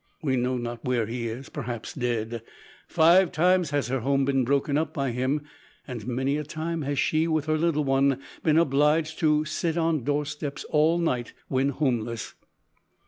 We know not where he is, perhaps dead. Five times has her home been broken up by him, and many a time has she with her little one been obliged to sit on doorsteps all night, when homeless.